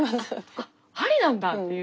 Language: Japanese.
ありなんだっていう。